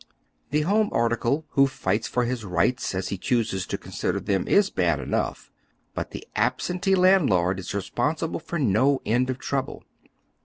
The home article, who fights for liis i ights, as he chooses to consider them, is bad enough ; but the absentee landlord is responsible for no end of ti ouble.